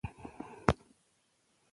دانته د نړۍ لپاره شاعر دی.